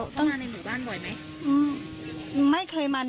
โชว์บ้านในพื้นที่เขารู้สึกยังไงกับเรื่องที่เกิดขึ้น